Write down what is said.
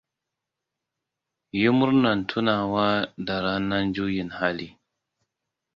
Yi murnan tunawa da ranan juyin hali!